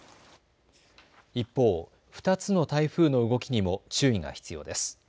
一方、２つの台風の動きにも注意が必要です。